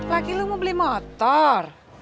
laki lo mau beli motor